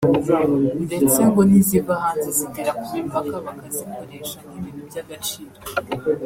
ndetse ngo n’iziva hanze zigera ku mipaka bakazisoresha nk’ibintu by’agaciro